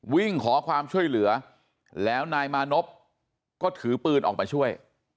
วิ่งขอความช่วยเหลือแล้วนายมานพก็ถือปืนออกมาช่วย